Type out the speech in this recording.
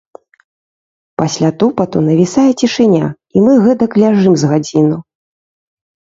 Пасля тупату навісае цішыня, і мы гэтак ляжым з гадзіну.